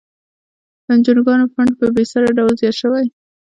د انجوګانو فنډ په بیسارې ډول زیات شوی.